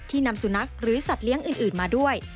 นำสุนัขหรือสัตว์เลี้ยงอื่นมาด้วย